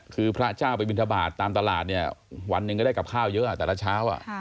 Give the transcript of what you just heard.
คือพระเจ้าไปบินทบาทตามตลาดเนี่ยวันหนึ่งก็ได้กับข้าวเยอะแต่ละเช้า